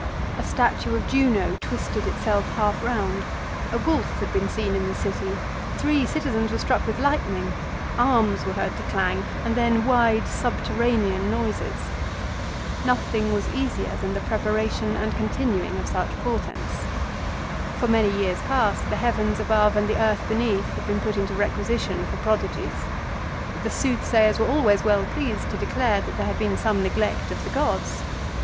A statue of Juno twisted itself half round ; a wolf had been seen in the city ; three citizens were struck with lightning; arms were heard to clang, and then wide subterranean noises. Nothing was easier than the preparation and continuing of such portents. For many years past the heavens above and the earth beneath had been put into requisition for prodigies. 1 The soothsayers were always well pleased to declare that there had been some neglect of the gods.